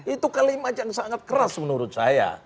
itu kalimat yang sangat keras menurut saya